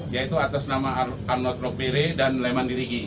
yaitu atas nama arnold rokbere dan leman dirigi